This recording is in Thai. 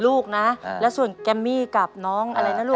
ลูกนะแล้วส่วนแกมมี่กับน้องอะไรนะลูก